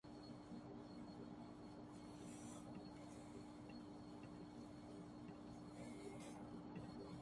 lady Gaga concert کے دوران مداح کے ساتھ اسٹیج سے گر پڑیں